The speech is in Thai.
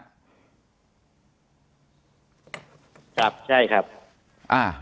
ครับใช่ครับ